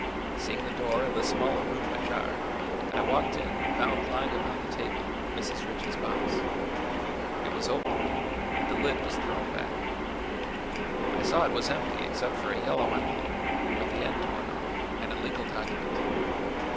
Seeing the door of the smaller room ajar I walked in and found lying upon the table Mrs. Ritchie's box. It was open and the lid was thrown back. I saw it was empty except for a yellow envelope with the end torn off and a legal document.